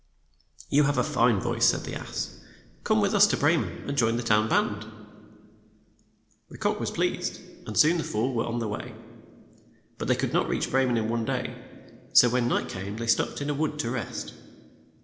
"You have a fine voice," said the ass. "Come with us to Bre men, and join the town band. The cock was pleased, and soon the four were on the way. But they could not reach Bre men in one day, so when night THE FOUR musicians. came they stopped in a wood to rest.